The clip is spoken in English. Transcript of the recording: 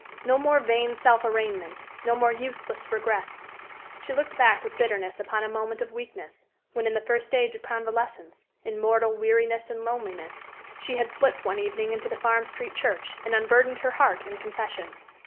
No more vain self arraignment, no more useless regrets. She looked back with bitterness upon a moment of weakness when, in the first stage of convalescence, in mortal weariness and loneliness, she had slipped one evening into the Farm Street church and unburdened her heart in confession.